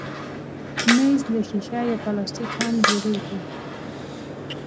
مېز له ښيښه یا پلاستیک هم جوړېږي.